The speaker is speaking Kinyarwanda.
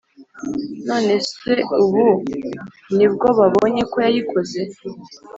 none seubu nibwo babonye ko yayikoze?